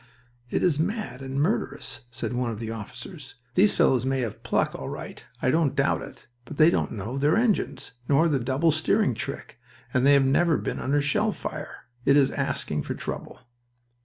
"It is mad and murderous," said one of the officers, "These fellows may have pluck, all right I don't doubt it but they don't know their engines, nor the double steering trick, and they have never been under shell fire. It is asking for trouble."